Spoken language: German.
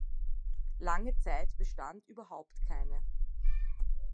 Lange Zeit bestanden überhaupt keine.